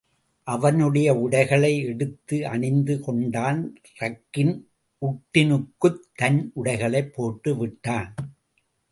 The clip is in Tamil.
அவனுடைய உடைகளை எடுத்து அணிந்து கொண்டான் ரக்கின் உட்டினுக்குத் தன் உடைகளைப் போட்டு விட்டான்.